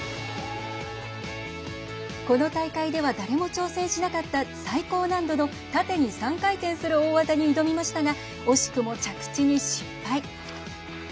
この大会では誰も挑戦しなかった最高難度の縦に３回転する大技に挑みましたが惜しくも着地に失敗。